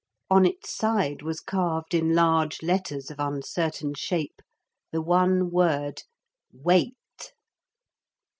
On its side was carved in large letters of uncertain shape the one word 'WAIT.'